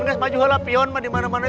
nggak semaju halapion mah dimana mana